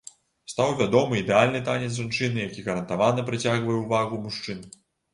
Стаў вядомы ідэальны танец жанчыны, які гарантавана прыцягвае ўвагу мужчын.